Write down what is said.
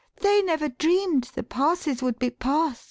They never dream'd the passes would be past.'